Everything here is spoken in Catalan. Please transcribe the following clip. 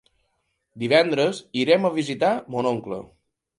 Divendres irem a visitar mon oncle.